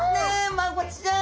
マゴチちゃん。